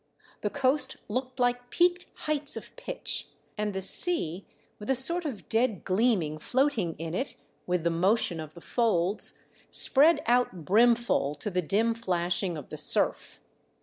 The coast looked like peaked heights of pitch, and the sea, with a sort of dead orleamino floatinsf in it with the motion of the folds, spread out brimful to the dim flashing of the surf.